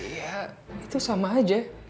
ya itu sama aja